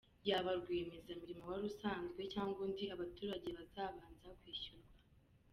Yaba rwiyemezamirimo wari usanzwe cyangwa undi abaturage bazabanza kwishyurwa.